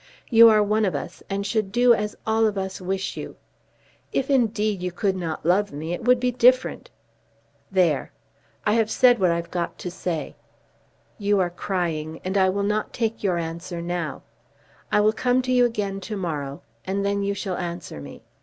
You are one of us, and should do as all of us wish you. If, indeed, you could not love me it would be different. There! I have said what I've got to say. You are crying, and I will not take your answer now. I will come to you again to morrow, and then you shall answer me.